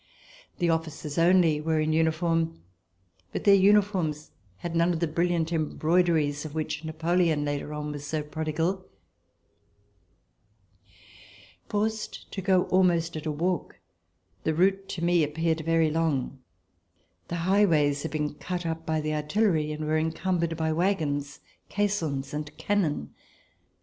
The officers C134] RESIDENCE IN HOLLAND only were in uniform, hut their uniforms had none of the brilhant embroideries of which Napoleon later on was so prodigal. Forced to go almost at a walk, the route to me ap peared very long. The highways had been cut up by the artillery and were encumbered by wagons, caissons and cannon.